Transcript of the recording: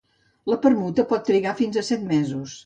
La permuta pot trigar fins a set mesos.